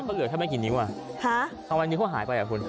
เขาเหลือเท่าไหร่กี่นิ้วตอนนี้เขาหายไปเหรอคุณ